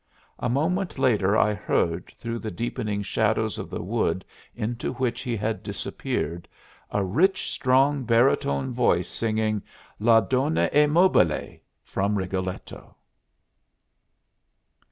A moment later I heard, through the deepening shadows of the wood into which he had disappeared, a rich, strong, baritone voice singing "La donna e mobile," from "Rigoletto."